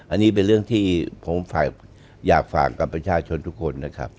อันนี้เป็นเรื่องที่ผมอยากฝากกับประชาชนทุกคนนะครับ